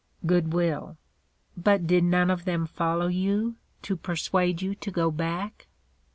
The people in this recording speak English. GOOD WILL. But did none of them follow you, to persuade you to go back?